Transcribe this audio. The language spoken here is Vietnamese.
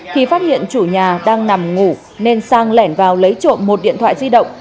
thì phát hiện chủ nhà đang nằm ngủ nên sang lẻn vào lấy trộm một điện thoại di động